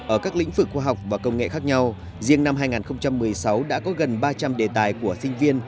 ở các lĩnh vực khoa học và công nghệ khác nhau riêng năm hai nghìn một mươi sáu đã có gần ba trăm linh đề tài của sinh viên